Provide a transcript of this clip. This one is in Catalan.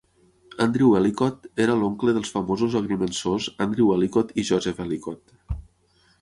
Andrew Ellicott era l'oncle dels famosos agrimensors Andrew Ellicott i Joseph Ellicott.